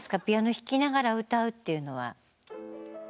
ピアノ弾きながら歌うっていうのは。